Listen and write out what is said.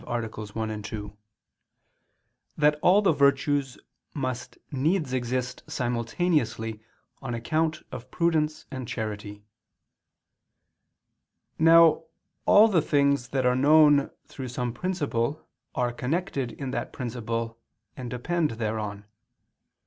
1, 2) that all the virtues must needs exist simultaneously on account of prudence and charity. Now all the things that are known through some principle are connected in that principle and depend thereon.